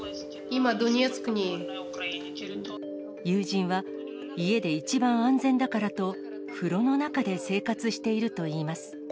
友人は家で一番安全だからと、風呂の中で生活しているといいます。